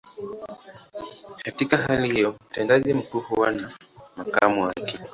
Katika hali hiyo, mtendaji mkuu huwa ni makamu wake.